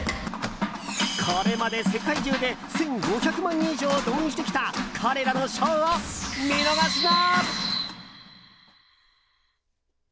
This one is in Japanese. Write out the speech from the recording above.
これまで世界中で１５００万人以上を動員してきた彼らのショーを見逃すな！